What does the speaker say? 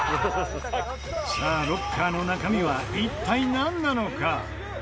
さあ、ロッカーの中身は一体、なんなのか？